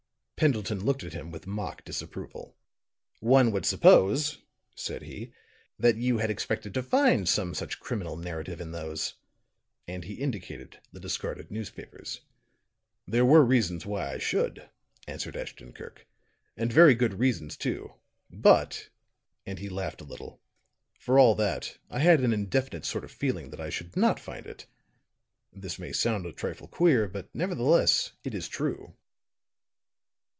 Pendleton looked at him with mock disapproval. "One would suppose," said he, "that you had expected to find some such criminal narrative in those," and he indicated the discarded newspapers. "There were reasons why I should," answered Ashton Kirk. "And very good reasons, too. But," and he laughed a little, "for all that, I had an indefinite sort of feeling that I should not find it. This may sound a trifle queer; but nevertheless it is true."